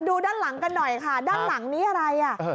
ด้านหลังกันหน่อยค่ะด้านหลังนี้อะไรอ่ะ